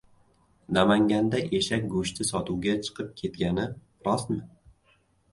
Namanganda eshak go‘shti sotuvga chiqib ketgani rostmi?